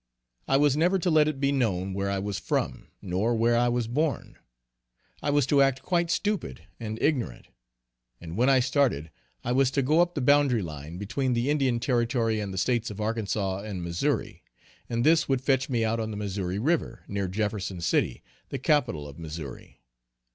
I was never to let it be known where I was from, nor where I was born. I was to act quite stupid and ignorant. And when I started I was to go up the boundary line, between the Indian Territory and the States of Arkansas and Missouri, and this would fetch me out on the Missouri river, near Jefferson city, the capital of Missouri.